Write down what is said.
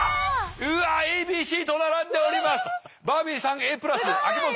うわＡＢＣと並んでおります。